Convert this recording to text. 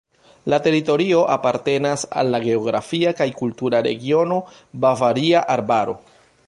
La teritorio apartenas al la geografia kaj kultura regiono Bavaria Arbaro.